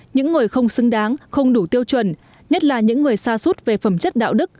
những người không xứng đáng không đủ tiêu chuẩn nhất là những người xa suốt về phẩm chất đạo đức